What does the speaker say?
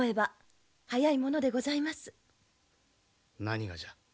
何がじゃ？